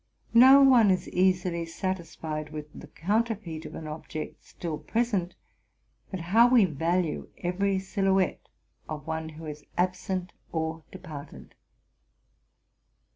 No one is easily satisfied with the counterfeit of an object still present, but how we value every silhouette of one who is absent or departed.